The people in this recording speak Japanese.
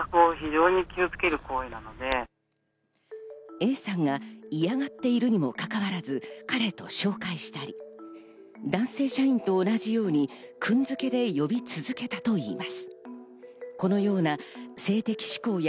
Ａさんが嫌がっているにもかかわらず「彼」と紹介したり、男性社員と同じように、「くん付け」で呼び続けたといいます。